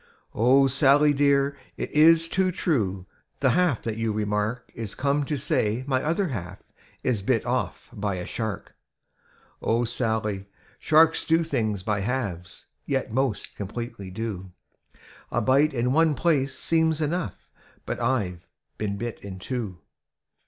"O SaDy, dear, it is too true, — The half that you remark Is come to say my other half Is bit off by a shark! '^O Sally, sharks do things by halves. Yet most completely do! A bite in one place seems enough. But I've been bit in two.